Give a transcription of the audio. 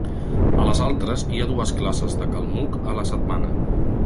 A les altres hi ha dues classes de calmuc a la setmana.